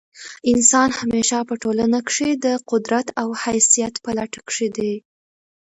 انسان همېشه په ټولنه کښي د قدرت او حیثیت په لټه کښي دئ.